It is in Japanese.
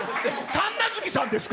神奈月さんですか。